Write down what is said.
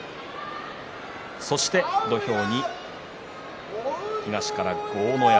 そして土俵に東から豪ノ山。